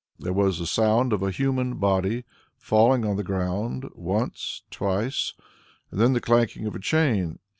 There was the sound of a human body falling on the ground once twice, and then the clanking of a chain.